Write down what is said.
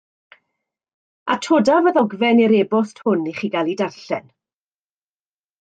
Atodaf y ddogfen i'r e-bost hwn i chi gael ei darllen